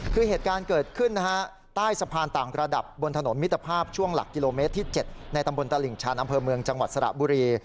คือเหตุการณ์เกิดขึ้นนะฮะใต้สะพานต่างระดับบนถนนมิตรภาพช่วงหลักกิโลเมตรที่๗ในตำบลตลิ่งชันอำเภอเมืองจังหวัดสระบุรี